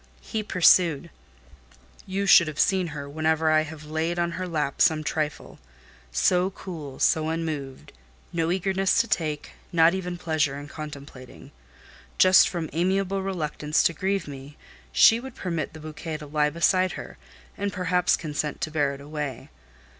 He pursued. "You should have seen her whenever I have laid on her lap some trifle; so cool, so unmoved: no eagerness to take, not even pleasure in contemplating. Just from amiable reluctance to grieve me, she would permit the bouquet to lie beside her, and perhaps consent to bear it away.